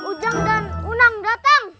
ujang dan unang datang